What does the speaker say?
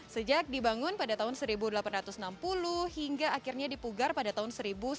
sejak dibangun pada tahun seribu delapan ratus enam puluh hingga akhirnya dipugar pada tahun seribu sembilan ratus sembilan puluh